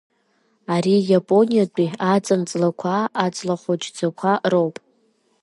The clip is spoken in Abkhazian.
Ари иапониатәи аҵан ҵлақәа аҵлахәыҷӡақәа роуп.